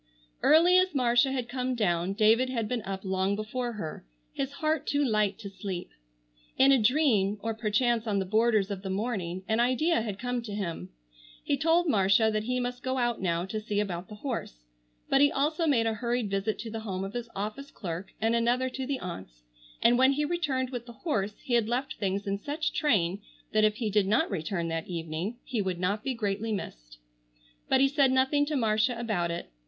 Early as Marcia had come down, David had been up long before her, his heart too light to sleep. In a dream, or perchance on the borders of the morning, an idea had come to him. He told Marcia that he must go out now to see about the horse, but he also made a hurried visit to the home of his office clerk and another to the aunts, and when he returned with the horse he had left things in such train that if he did not return that evening he would not be greatly missed. But he said nothing to Marcia about it.